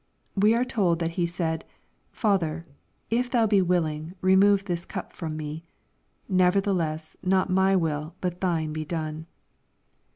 We are told that He said, "Father, if thou be \ willing, remove this cup from me : nevertheless^, not n)y will, but thine be done."